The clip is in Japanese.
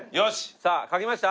さあ書けました？